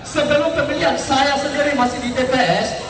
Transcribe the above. sebelum kemuliaan saya sendiri masih di dps